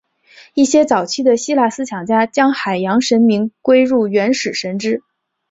一些早期的希腊思想家将海洋神明归入原始神只。